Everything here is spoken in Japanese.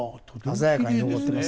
鮮やかに残ってます。